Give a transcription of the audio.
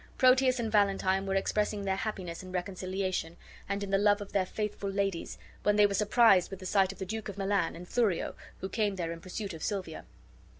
Proteus and Valentine were expressing their happiness in their reconciliation, and in the love of their faithful ladies, when they were surprised with the sight of the Duke of Milan and Thurio, who came there in pursuit of Silvia.